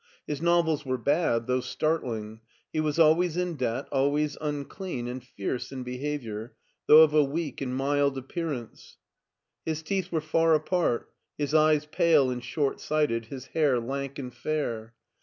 His novels were bad, though startlii^. He was always in debt, always unclean and fierce in behavior, though of a weak and mild appear ance. His teeth were far apart, his eyes pale and short sighted, his hair lank and fair.